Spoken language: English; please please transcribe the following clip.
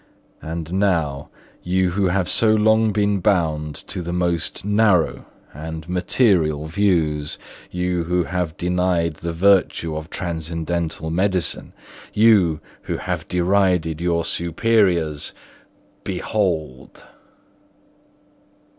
And now, you who have so long been bound to the most narrow and material views, you who have denied the virtue of transcendental medicine, you who have derided your superiors—behold!"